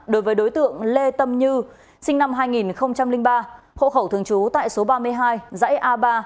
đối với đối tượng lê tâm như sinh năm hai nghìn ba hộ khẩu thường trú tại số ba mươi hai dãy a ba